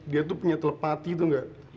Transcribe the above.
dia tuh punya telepati tau nggak